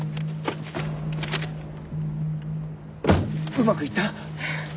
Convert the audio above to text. うまくいった？